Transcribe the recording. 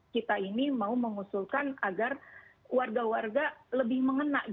kita ini mau mengusulkan agar warga warga lebih mengena